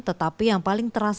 tetapi yang paling terakhir